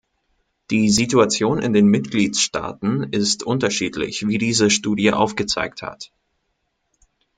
Die Situation in den Mitgliedstaaten ist unterschiedlich, wie diese Studie aufgezeigt hat.